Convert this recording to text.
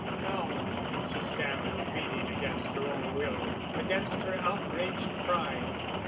"No," she stammered, pleading against her own will, against her outraged pride.